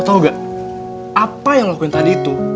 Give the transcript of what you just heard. lo tau gak apa yang lo lakuin tadi itu